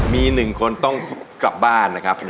มี๑คนต้องกลับบ้านนะครับ